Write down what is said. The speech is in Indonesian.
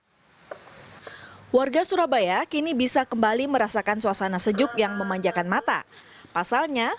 hai warga surabaya kini bisa kembali merasakan suasana sejuk yang memanjakan mata pasalnya